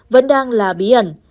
vẫn đang là bí ẩn